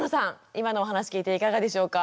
今のお話聞いていかがでしょうか？